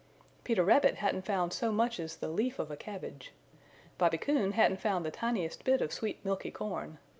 Peter Rabbit hadn't found so much as the leaf of a cabbage. Bobby Coon hadn't found the tiniest bit of sweet milky corn.